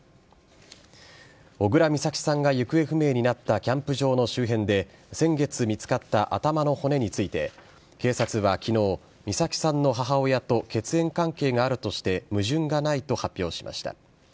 小倉美咲さんが行方不明になったキャンプ場の周辺で先月見つかった頭の骨について警察は昨日美咲さんの母親と血縁関係があるとして矛盾がないと発表しました。